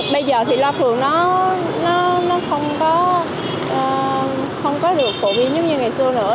bây giờ thì loa phường nó không có được phổ biến giống như ngày xưa nữa